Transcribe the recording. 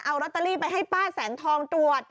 เอาลอตเตอรี่ไปให้ป้าแสงทองตรวจ